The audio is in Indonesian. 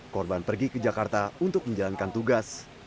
korban pergi ke jakarta untuk menjalankan tugas